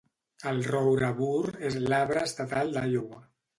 El roure bur és l'arbre estatal d'Iowa.